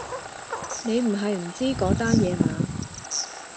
你唔係唔知嗰單野嘛？